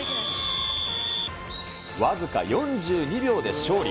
僅か４２秒で勝利。